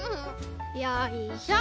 よいしょ。